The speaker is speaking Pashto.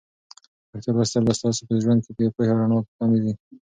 پښتو لوستل به ستاسو په ژوند کې د پوهې او رڼا لاره پرانیزي.